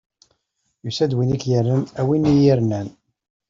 Yusa-d win k-irnan, a win i yi-irnan!